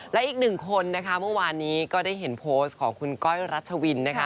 และอีกหนึ่งคนนะคะเมื่อวานนี้ก็ได้เห็นโพสต์ของคุณก้อยรัชวินนะคะ